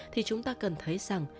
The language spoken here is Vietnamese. thì chúng ta cần thấy rằng